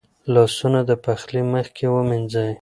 لاسونه د پخلي مخکې ومینځئ.